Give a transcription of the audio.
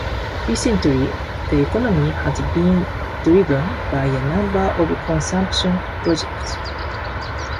Recently, the economy has been driven by a number of construction projects.